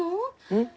うん？